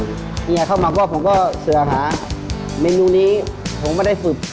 เกี่ยวผมก็เสือหาเมนูนี้ผมไม่ได้ฝืด